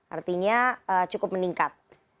artinya cukup meningkat